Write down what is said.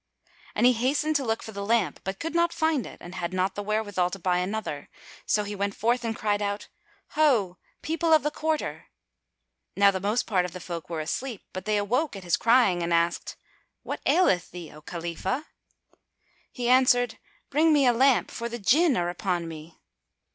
And he hastened to look for the lamp, but could not find it and had not the wherewithal to buy another. So he went forth and cried out, "Ho, people of the quarter!" Now the most part of the folk were asleep; but they awoke at his crying and asked, "What aileth thee, O Khalifah?" He answered, "Bring me a lamp, for the Jinn are upon me."